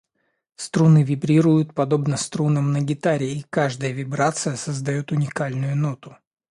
Струны вибрируют, подобно струнам на гитаре, и каждая вибрация создает уникальную ноту.